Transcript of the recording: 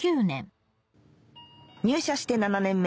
入社して７年目